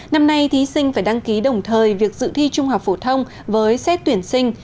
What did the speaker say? năm nay thí sinh phải đăng ký đồng thời việc dự thi trung học phổ thông với xét tuyển sinh